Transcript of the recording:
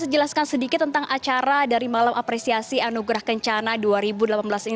jelaskan sedikit tentang acara dari malam apresiasi anugerah kencana dua ribu delapan belas ini